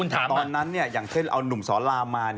แต่ตอนนั้นอย่างเช่นเอานุ่มสอนรามมา